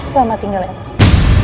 selamat tinggal eros